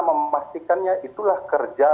memastikannya itulah kerja